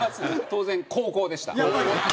当然後攻でした。